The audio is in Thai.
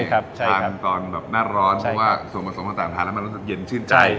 ทานตอนแบบหน้าร้อนเพราะว่าส่วนผสมต่างทานแล้วมันรู้สึกเย็นชื่นใจ